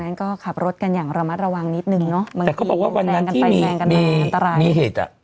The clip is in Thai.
ดังนั้นก็ขับรถกันอย่างระมัดระวังนิดหนึ่งเนอะแต่เขาบอกว่าวันนั้นที่มีมีมีเหตุอ่ะ